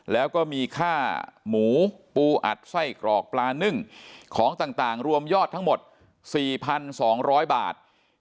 แล้วก็มีค่าหมูปูอัดไส้กรอกปลานึ่งของต่างรวมยอดทั้งหมด๔๒๐๐บาท